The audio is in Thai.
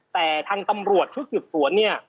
แต่ทางตำรวจชุดสืบสวนเนี่ย